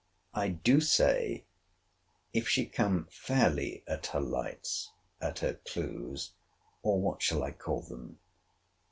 I do say, if she come fairly at her lights, at her clues, or what shall I call them?